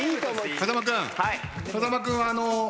風間君。